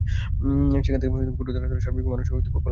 এখান থেকে ঘুরে দাঁড়াতে হলে সার্বিকভাবে মানুষের কল্যাণে কাজ করতে হবে।